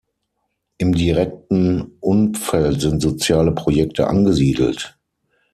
Im direkten Umfeld sind soziale Projekte angesiedelt.